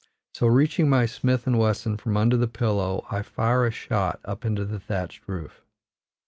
So reaching my Smith & Wesson from under the pillow, I fire a shot up into the thatched roof.